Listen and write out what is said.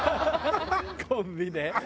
コンビで。